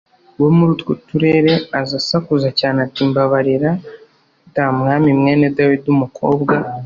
wo muri utwo turere aza asakuza cyane ati mbabarira d Mwami Mwene Dawidi Umukobwa